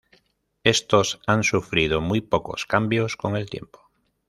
Estos han sufrido muy pocos cambios con el tiempo.